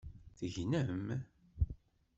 Tegnem?